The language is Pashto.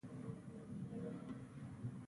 زه لاس تر زنې ناست وم.